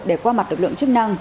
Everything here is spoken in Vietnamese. để qua mặt lực lượng chức năng